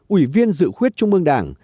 ủy viên dự khuyết trung ương đảng